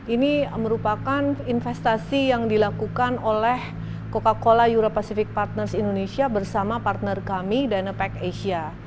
ini merupakan investasi yang dilakukan oleh coca cola euro pacific partners indonesia bersama partner kami dynapack asia